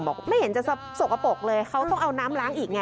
ไม่เห็นจะสกปรกเลยเขาต้องเอาน้ำล้างอีกไง